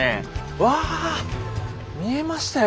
うわ見えましたよ。